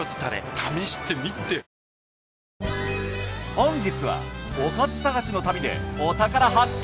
本日はおかず探しの旅でお宝発見！